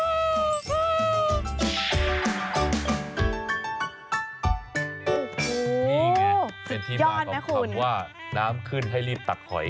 โอ้โฮสุดยอดนะคุณนี่ไงเป็นที่มากับคำว่าน้ำขึ้นให้รีบตักหอย